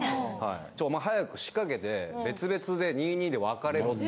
「ちょっお前早く仕掛けて別々で２２で分かれろ」と。